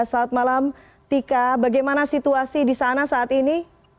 saat malam tika bagaimana situasi di sana saat ini